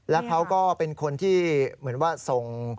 แล้วเขาก็เป็นคนที่เหมือนว่าส่ง